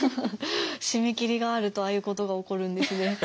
締め切りがあるとああいうことが起こるんですね。